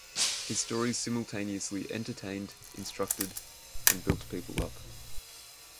His stories simultaneously entertained, instructed and built people up.